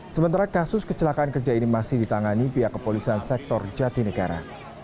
sementara kasus kecelakaan kerja ini masih ditangani pihak kepolisian sektor jatinegara